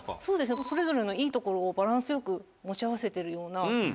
そうですねそれぞれのいいところをバランスよく持ち合わせてるような。